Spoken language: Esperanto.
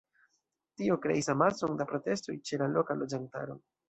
Tio kreis amason da protestoj ĉe la loka loĝantaro.